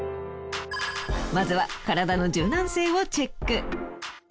まずは体の柔軟性をチェック。